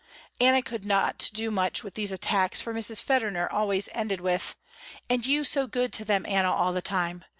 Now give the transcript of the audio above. Anna could not do much with these attacks for Mrs. Federner always ended with, "And you so good to them Anna all the time.